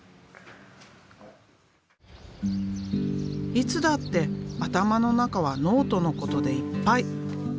いつだって頭の中はノートのことでいっぱい。